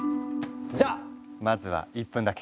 じゃまずは１分だけ。